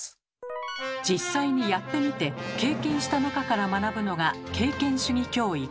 実際にやってみて経験した中から学ぶのが「経験主義教育」。